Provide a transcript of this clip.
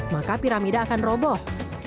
maka piramida akan roboh